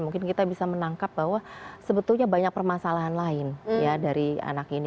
mungkin kita bisa menangkap bahwa sebetulnya banyak permasalahan lain dari anak ini